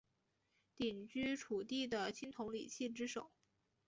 鼎居楚地的青铜礼器之首。